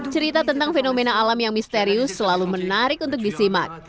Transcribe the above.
cerita tentang fenomena alam yang misterius selalu menarik untuk disimak